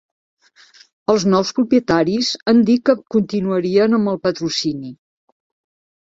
Els nous propietaris han dit que continuarien amb el patrocini.